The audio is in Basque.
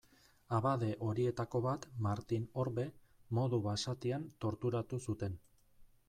Abade horietako bat, Martin Orbe, modu basatian torturatu zuten.